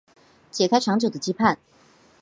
解开长久的羁绊